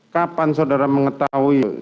kapan saudara mengetahui